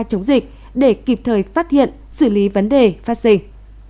chống dịch để kịp thời phát hiện xử lý vấn đề phát sinh